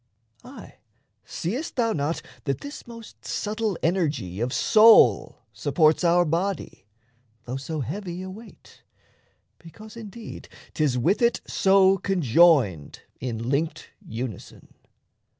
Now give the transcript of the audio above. Aye, seest thou not That this most subtle energy of soul Supports our body, though so heavy a weight, Because, indeed, 'tis with it so conjoined In linked unison?